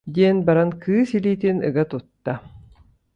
диэн баран кыыс илиитин ыга тутта